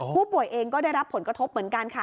ผู้ป่วยเองก็ได้รับผลกระทบเหมือนกันค่ะ